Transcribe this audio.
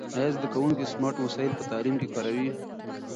آیا زده کوونکي سمارټ وسایل په تعلیم کې کاروي؟